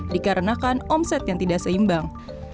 dikarenakan omset yang tidak seimbang